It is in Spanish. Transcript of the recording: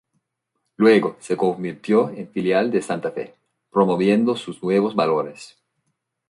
Luego, se convirtió en filial de Santa Fe, promoviendo sus nuevos valores.